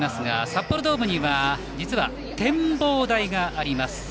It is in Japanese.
札幌ドームには展望台があります。